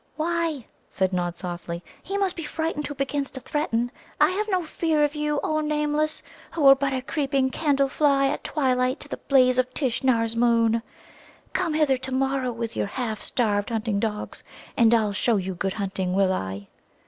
"Why," said Nod softly, "he must be frightened who begins to threaten. I have no fear of you, O Nameless, who are but a creeping candle fly at twilight to the blaze of Tishnar's moon. Come hither to morrow with your half starved hunting dogs, and I'll show you good hunting, will I."